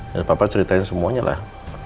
dan papa ceritain semuanya lah